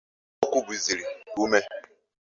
ma o kubizịrị ume